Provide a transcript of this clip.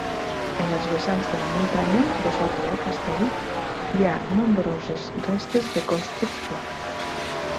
En els vessants de la muntanya, dessota del castell, hi ha nombroses restes de construcció.